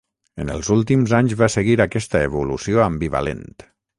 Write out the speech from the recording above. En els últims anys va seguir aquesta evolució ambivalent.